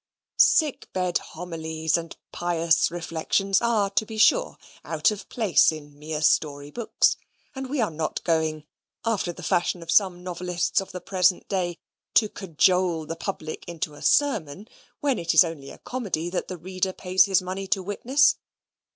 Sick bed homilies and pious reflections are, to be sure, out of place in mere story books, and we are not going (after the fashion of some novelists of the present day) to cajole the public into a sermon, when it is only a comedy that the reader pays his money to witness.